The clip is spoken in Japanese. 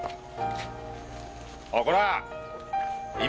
おいコラッ！